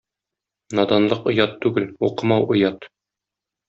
Наданлык оят түгел, укымау оят.